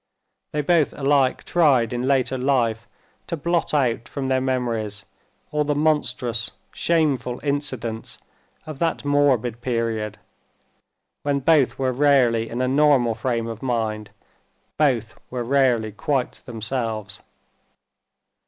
They both alike tried in later life to blot out from their memories all the monstrous, shameful incidents of that morbid period, when both were rarely in a normal frame of mind, both were rarely quite themselves.